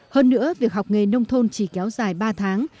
hơn nữa việc học nghề nông thôn chỉ kéo dài ba tháng